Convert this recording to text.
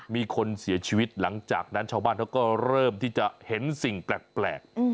มีคนเสียชีวิตหลังจากนั้นชาวบ้านเขาก็เริ่มที่จะเห็นสิ่งแปลก